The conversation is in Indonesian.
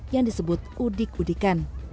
yang disebut udik udikan